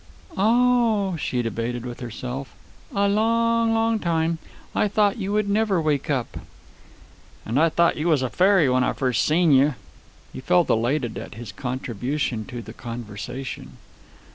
"O oh," she debated with herself, "a long, long time. I thought you would never wake up." "And I thought you was a fairy when I first seen you." He felt elated at his contribution to the conversation.